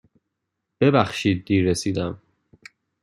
ببخشید دیر رسیدم.